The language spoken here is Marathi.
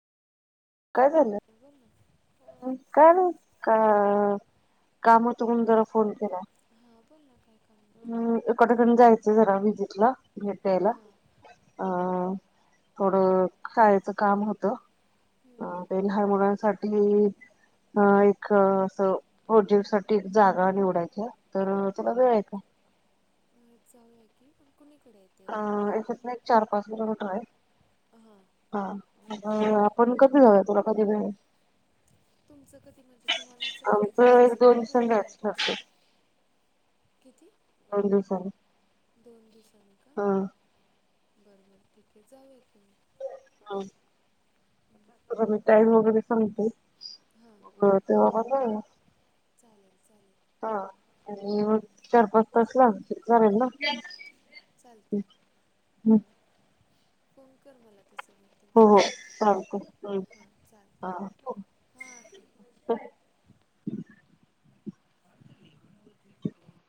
काय झालं बोल ना काय नाही का काम होतं म्हणून जरा फोन केला. हां बोल ना काय काम होतं अम एकाठिकानी जायचं जरा विजिटला भेटयला हां अ थोडं शाळेचं काम होत हम्म, अ हम्म. ते लहान मुलांसाठी अ एक असं प्रोजेक्ट साठी एक जागा निवडायच्या तर त्याला वेळ आहे का? जाऊया की. कुणीकडे आहे ते अ येथेच ना एक, चार-पाच किलोमीटर आहे. हां हा आपण [unintelligible] कधी जाय तुला कधी वेळ ये. तुमचं कधी म्हणजे तुम्हाला असं कधी आमचं जायचं एक असं दोन काय दिवसांनी ठरवलंय जायचं का ठरतंय तुम्ही? किती? थोड्या दिवसांनी दोन दिवसान. हा. बरबर ठीके जाऊया की म. हा. हम्म. [unintelligible] वगैरे सांगते. हां हो ते ओरडतंय. चालेल. चालेल हा आणि मग हां चार, पाच तास लागते. लागेल ना. चालते हा. फोन कर मला तसं मग हो तुमचं हो काय चालतंय. हां चालते हम् हां हा. [inaudible] [inaudible]